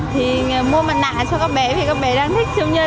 thì mua mặt nạ cho các bé vì các bé đang thích siêu nhân